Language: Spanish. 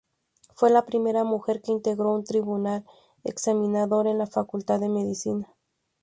Fue la primera mujer que integró un tribunal examinador en la Facultad de Medicina.